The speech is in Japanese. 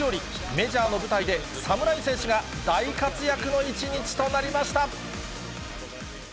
メジャーの舞台で侍戦士が大活躍の一日となりました。